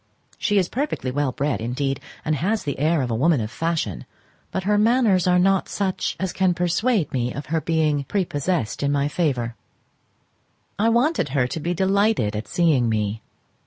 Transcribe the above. She is perfectly well bred, indeed, and has the air of a woman of fashion, but her manners are not such as can persuade me of her being prepossessed in my favour. I wanted her to be delighted at seeing me.